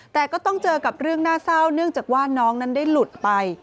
แต่ก็ต้องเจอกับเรื่องน่าเศร้าเนื่องจากว่าน้องนั้นได้หลุดไป